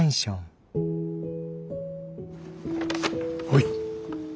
はい。